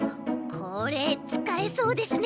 これつかえそうですね。